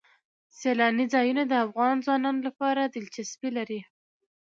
سیلانی ځایونه د افغان ځوانانو لپاره دلچسپي لري.